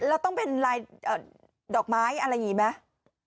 เราต้องเป็นลายดอกไม้อะไรอย่างนี้ไหม